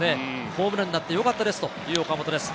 ホームランになってよかったですという岡本です。